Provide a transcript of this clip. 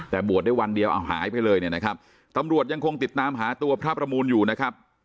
แต่บวชได้วันเดียวเอาหายไปเลยเนี่ยนะครับตำรวจยังคงติดตามหาตัวพระประมูลอยู่นะครับ